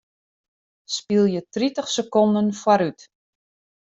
Spylje tritich sekonden foarút.